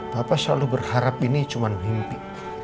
papa selalu berharap ini cuman mimpi